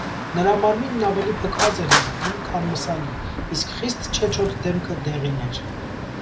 Նրա մարմինն ավելի փքված էր երևում, քան մսալի, իսկ խիստ չեչոտ դեմքը դեղին էր.